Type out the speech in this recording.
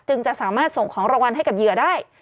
จะสามารถส่งของรางวัลให้กับเหยื่อได้